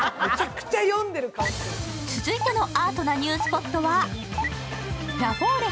続いてのアートなニュースポットはラフォーレ